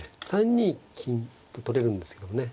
３二金と取れるんですけどね。